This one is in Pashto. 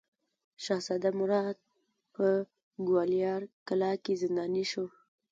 شهزاده مراد په ګوالیار کلا کې زنداني شو.